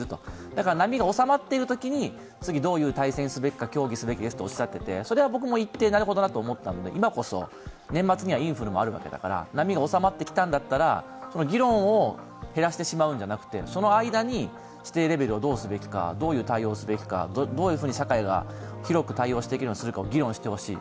だから波が収まっているときに次どういう体制にすべきか協議すべきですとおっしゃっていてそれは僕も一定なるほどなと思ったので、今こそ年末にはインフルもあるわけだから、波が収まってきたなら議論を抑えるのではなくてその間に指定レベルをどうすべきか、どういう対応をすべきかどういうふうに社会が広く対応できるようにするかを議論してほしい。